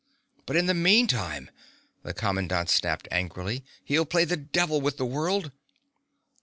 "But in the meantime," the commandant snapped angrily, "he'll play the devil with the world."